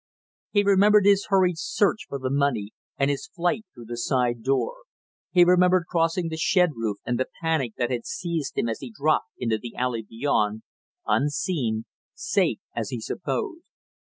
He remembered his hurried search for the money, and his flight through the side door; he remembered crossing the shed roof and the panic that had seized him as he dropped into the alley beyond, unseen, safe as he supposed.